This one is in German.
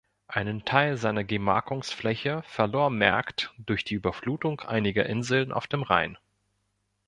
Einen Teil seiner Gemarkungsfläche verlor Märkt durch die Überflutung einiger Inseln auf dem Rhein.